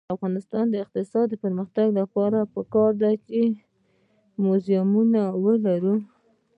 د افغانستان د اقتصادي پرمختګ لپاره پکار ده چې موزیمونه ولرو.